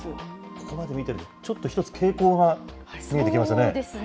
ここまで見てると、ちょっと一つ傾向が見えてきますね。